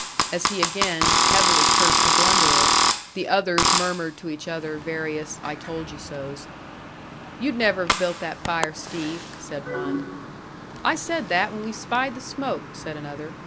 As he again heavily cursed the blunderer, the others murmured to each other various I told you so's. "You'd never have built that fire, Steve," said one. "I said that when we spied the smoke," said another.